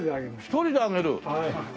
１人で揚げる！？